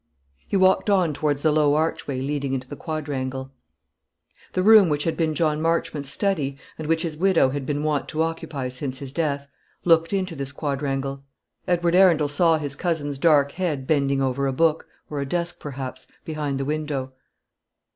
He walked on towards the low archway leading into the quadrangle. The room which had been John Marchmont's study, and which his widow had been wont to occupy since his death, looked into this quadrangle. Edward Arundel saw his cousin's dark head bending over a book, or a desk perhaps, behind the window.